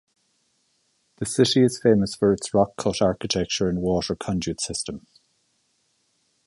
The city is famous for its rock-cut architecture and water conduit system.